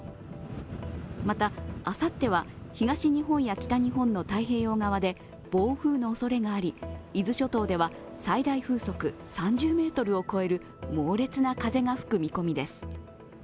また、あさっては東日本や北日本の太平洋側で暴風のおそれがあり伊豆諸島では最大風速３０メートルを超える猛烈な風が吹く見込みです。